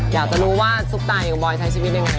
อยากจะรู้ว่าซุปตาอย่างบอยใช้ชีวิตยังไง